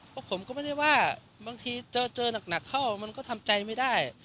เพราะผมก็ไม่ได้ว่าบางทีเจอหนักเข้ามันก็ทำใจไม่ได้